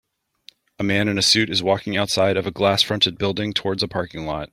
A man in a suit is walking outside of a glass fronted building towards a parking lot.